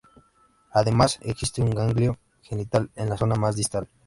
Además, existe un ganglio genital en la zona más distal.